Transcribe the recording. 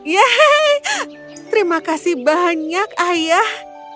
yehe terima kasih banyak ayah